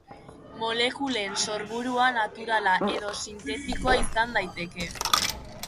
Molekulen sorburua naturala edo sintetikoa izan daiteke.